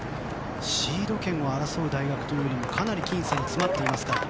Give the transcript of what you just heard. シード権を争う大学というのもかなり僅差に詰まっています。